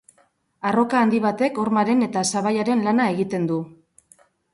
Arroka handi batek hormaren eta sabaiaren lana egiten du.